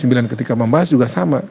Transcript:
di komisi sembilan ketika membahas juga sama